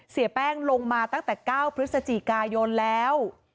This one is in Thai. เสียแป้งลงมาตั้งแต่๙พฤศจิกายนแล้ว